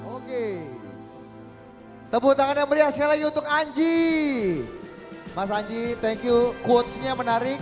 oke tepuk tangan yang meriah sekali lagi untuk anji mas anji thank you quotesnya menarik